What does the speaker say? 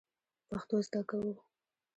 پښتو زده کوو